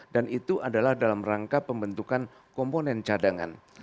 dan itu adalah dalam rangka pembentukan komponen cadangan